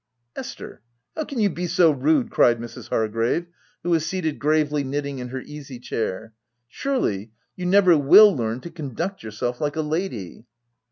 " Esther, how can you be so rude !" cried Mrs. Hargrave, who was seated gravely knitting in her easy chair. " Surely, you never will learn to conduct yourself like a lady